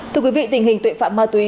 thưa quý vị tình hình tội phạm ma túy